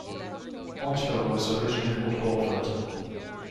Montour was originally called Orford.